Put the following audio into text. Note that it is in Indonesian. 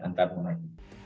di antar pemain